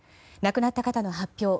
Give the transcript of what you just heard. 亡くなった方の発表